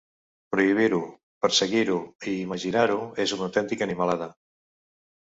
“Prohibir-ho, perseguir-ho i marginar-ho és una autèntica animalada”.